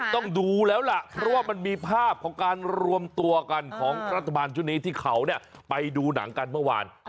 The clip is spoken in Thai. ต้องดูแล้วล่ะเพราะว่ามันมีภาพของการรวมตัวกันของรัฐบาลชุดนี้ที่เขาไปดูหนังกันเมื่อวาน